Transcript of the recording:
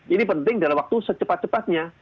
ini penting dalam waktu secepat cepatnya